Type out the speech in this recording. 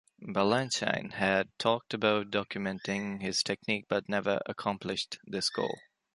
Balanchine had talked about documenting his technique but never accomplished this goal.